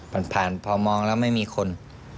ผ่านพอมองแล้วไม่มีคน